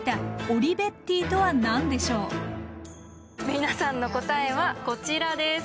皆さんの答えはこちらです！